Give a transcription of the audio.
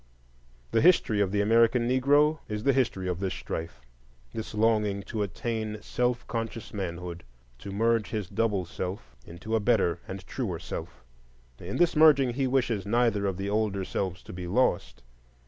The history of the American Negro is the history of this strife,—this longing to attain self conscious manhood, to merge his double self into a better and truer self. In this merging he wishes neither of the older selves to be lost.